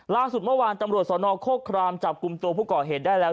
ล่าสุดเมื่อวานตำรวจสนโครครามจับกลุ่มตัวผู้ก่อเหตุได้แล้ว